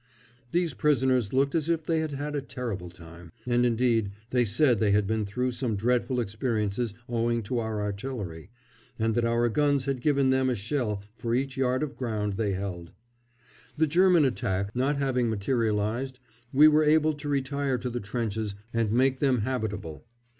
These prisoners looked as if they had had a terrible time, and, indeed, they said they had been through some dreadful experiences owing to our artillery, and that our guns had given them a shell for each yard of ground they held. The German attack not having materialised, we were able to retire to the trenches and make them habitable.